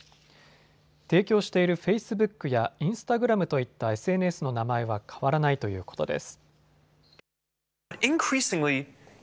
提供しているフェイスブックやインスタグラムといったＳＮＳの名前は変わらないということです。